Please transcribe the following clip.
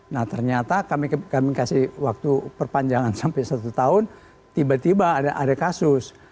nah ternyata kami kasih waktu perpanjangan sampai satu tahun tiba tiba ada kasus